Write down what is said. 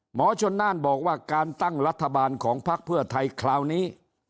หมอชนน่านบอกว่าการตั้งรัฐบาลของพักเพื่อไทยคราวนี้